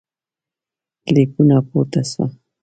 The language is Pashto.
کلیپونه پورته سوه